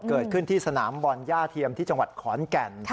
เกิดขึ้นที่สนามบอลย่าเทียมที่จังหวัดขอนแก่น